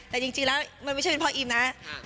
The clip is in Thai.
แต่จริงแล้วมันไม่ใช่เป็นเพราะอิมนะ